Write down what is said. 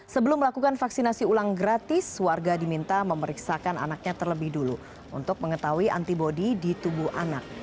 sebelum melakukan vaksinasi ulang gratis warga diminta memeriksakan anaknya terlebih dulu untuk mengetahui antibody di tubuh anak